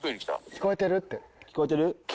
聞こえてる？